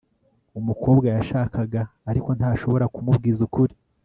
umukobwa yashakaga, ariko ntashobora, kumubwiza ukuri